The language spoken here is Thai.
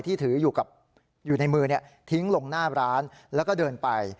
ที่ถืออยู่ในมือทิ้งลงหน้าร้านแล้วก็เดินไป